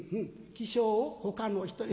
起請をほかの人に。